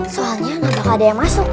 soalnya gak bakal ada yang masuk